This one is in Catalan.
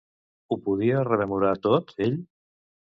Ho podia rememorar tot, ell?